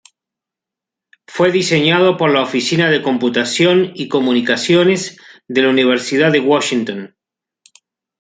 Fue diseñado por la Oficina de Computación y Comunicaciones de la Universidad de Washington.